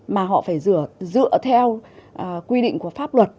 mà họ phải dựa theo quy định của pháp luật